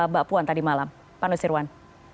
mbak puan tadi malam pak nusirwan